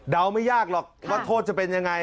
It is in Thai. เดาไม่ยากหรอกว่าโทษจะเป็นอย่างไร